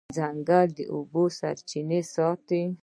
ځنګل د اوبو سرچینې ساتي.